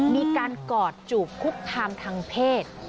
มีการกอดจูบคุกคามทางเพศ